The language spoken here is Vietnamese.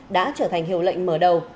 đã trở thành hiệu lệnh mở đầu